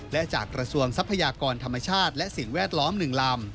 และจากกระทรวงทรัพยากรธรรมชาติและสิ่งแวดล้อม๑ลำ